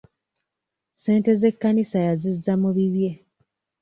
Ssente z'ekkanisa yazizza mu bibye.